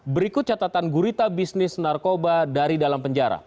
berikut catatan gurita bisnis narkoba dari dalam penjara